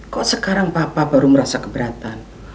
kok sekarang papa baru merasa keberatan